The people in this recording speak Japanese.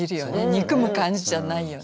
憎む感じじゃないよね。